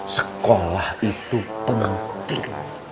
sekolah itu penantik